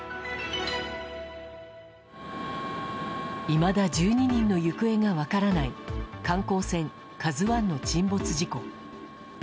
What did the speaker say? いまだ１２人の行方が分からない観光船「ＫＡＺＵ１」の沈没事故。